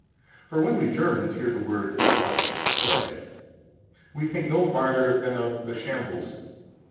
For when we Germans hear the word Fleisch (flesh), we think no farther than of the shambles.